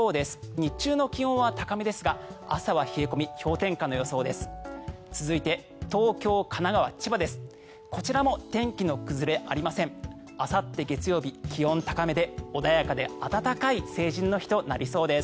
日中の気温は高めですが朝晩は冷え込み氷点下となりそうです。